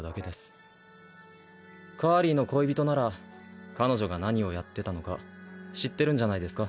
カーリーの恋人なら彼女が何をやってたのか知ってるんじゃないですか。